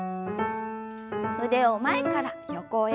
腕を前から横へ。